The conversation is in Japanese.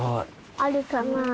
あるかな？